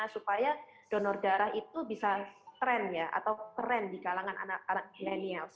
supaya donor darah itu bisa trend ya atau tren di kalangan anak anak millennials